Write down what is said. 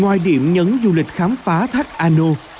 ngoài điểm nhấn du lịch khám phá thắt a nô